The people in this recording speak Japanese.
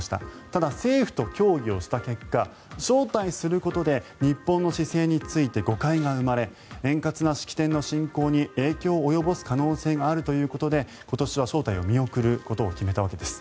ただ、政府と協議をした結果招待することで日本の姿勢について誤解が生まれ円滑な式典の進行に影響を及ぼす可能性があるということで今年は招待を見送ることを決めたわけです。